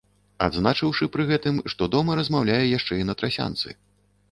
Адзначыўшы пры гэтым, што дома размаўляе яшчэ і на трасянцы.